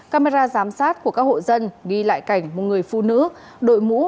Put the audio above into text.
camera giám sát của các hộ dân ghi lại cảnh một người phụ nữ đội mũ